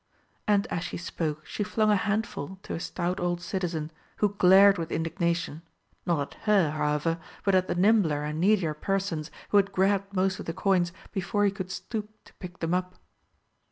And as she spoke she flung a handful to a stout old citizen, who glared with indignation not at her, however, but at the nimbler and needier persons who had grabbed most of the coins before he could stoop to pick them up.